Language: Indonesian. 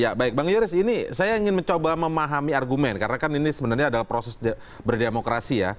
ya baik bang yoris ini saya ingin mencoba memahami argumen karena kan ini sebenarnya adalah proses berdemokrasi ya